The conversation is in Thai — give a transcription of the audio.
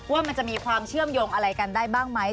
ว่ามันจะมีความเชื่อมโยงอะไรกันได้บ้างไหม